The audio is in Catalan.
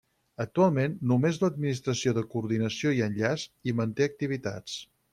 Actualment, només l'Administració de Coordinació i Enllaç hi manté activitats.